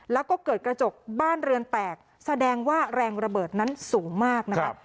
แล้วก็เกิดกระจกบ้านเรือนแตกแสดงว่าแรงระเบิดนั้นสูงมากนะครับ